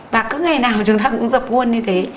và cứ ngày nào chúng ta cũng dập nguồn như thế